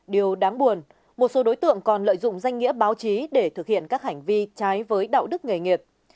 điều đáng buồn một số đối tượng còn lợi dụng danh nghĩa báo chí để thực hiện các hành vi trái với đạo đức nghề nghiệp